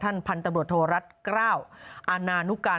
พันธุ์ตำรวจโทรรัฐกล้าวอาณานุกา